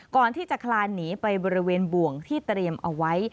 ก่อนที่จะคลานหนีไปบริเวณบ่วงที่เตรียมเอาไว้